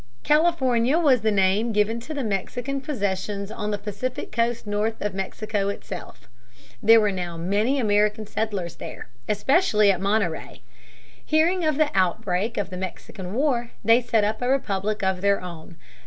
California was the name given to the Mexican possessions on the Pacific coast north of Mexico itself. There were now many American settlers there, especially at Monterey. Hearing of the outbreak of the Mexican War, they Set up a republic of their own.